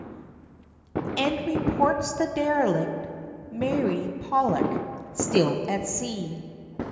"And reports the derelict Mary Pollock still at sea."